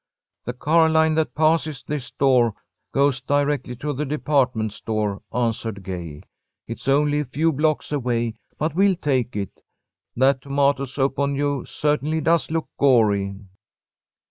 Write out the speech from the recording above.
"The car line that passes this door goes directly to the department store," answered Gay. "It's only a few blocks away, but we'll take it. That tomato soup on you certainly does look gory."